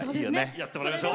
やってもらいましょう。